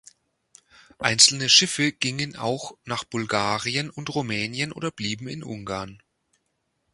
Einzelne Schiffe gingen auch nach Bulgarien und Rumänien oder blieben in Ungarn.